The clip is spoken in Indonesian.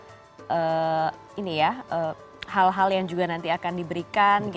ada hal hal yang juga nanti akan diberikan